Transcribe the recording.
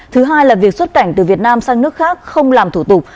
thứ hai là việc xuất cảnh từ việt nam sang nước khác không làm thủ tục